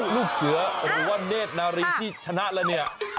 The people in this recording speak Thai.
ลูกเสือหรือว่าเนธนารินที่ชนะแล้วเนี่ย